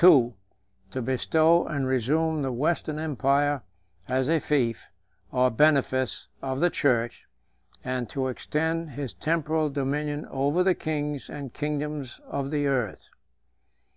II. To bestow and resume the Western empire as a fief or benefice 134 of the church, and to extend his temporal dominion over the kings and kingdoms of the earth.